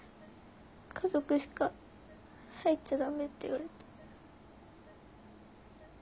家族しか入っちゃ駄目って言われて。